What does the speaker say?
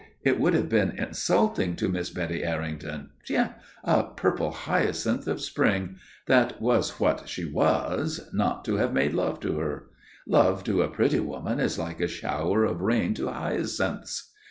It would have been insulting to Miss Betty Errington tiens! a purple hyacinth of spring that was what she was not to have made love to her. Love to a pretty woman is like a shower of rain to hyacinths.